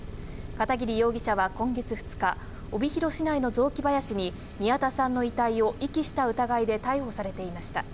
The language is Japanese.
片桐容疑者は今月２日、帯広市内の雑木林に宮田さんの遺体を遺棄した疑いで逮捕されていました。